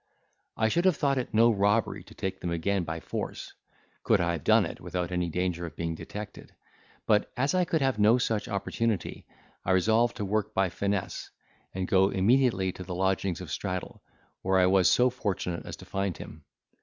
I should have thought it no robbery to take them again by force, could I have done it without any danger of being detected; but, as I could have no such opportunity, I resolved to work by finesse, and go immediately to the lodgings of Straddle, where I was so fortunate as to find him.